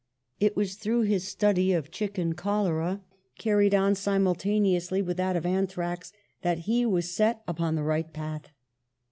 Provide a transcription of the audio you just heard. It was through his study of chicken cholera, carried on simultaneously with that of anthrax, that he was set upon the right path.